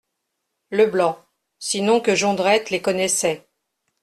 Leblanc, sinon que Jondrette les connaissait.